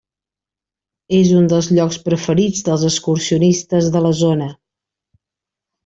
És un dels llocs preferit dels excursionistes de la zona.